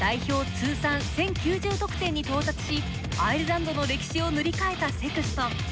通算１０９０得点に到達しアイルランドの歴史を塗り替えたセクストン。